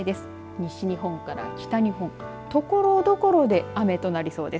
西日本から北日本ところどころで雨となりそうです。